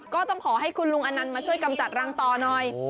ก็ต้องขอให้คุณลุงอนันต์มาช่วยกำจัดรังต่อหน่อย